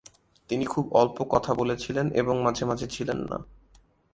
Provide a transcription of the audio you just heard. তিনি খুব অল্প কথা বলেছিলেন এবং মাঝে মাঝে ছিলেন না।